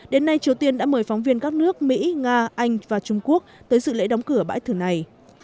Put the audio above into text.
đến nay triều tiên đã mời phóng viên các nước mỹ nga anh và trung quốc tới dự lễ đóng cửa bãi thử này